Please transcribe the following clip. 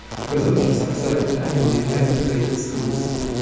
Resolutions are selected annually by affiliated schools.